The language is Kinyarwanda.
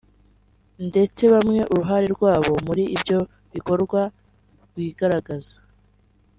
ndetse bamwe uruhare rwabo muri ibyo bikorwa rwigaragaza